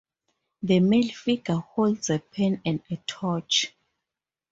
The male figure holds a pen and a torch.